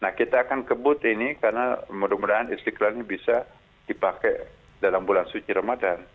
nah kita akan kebut ini karena mudah mudahan istiqlal ini bisa dipakai dalam bulan suci ramadan